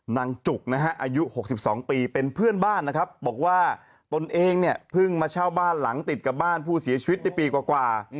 จุกนะฮะอายุ๖๒ปีเป็นเพื่อนบ้านนะครับบอกว่าตนเองเนี่ยเพิ่งมาเช่าบ้านหลังติดกับบ้านผู้เสียชีวิตได้ปีกว่า